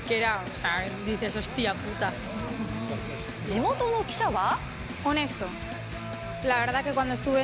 地元の記者は？